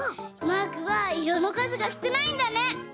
マークはいろのかずがすくないんだね！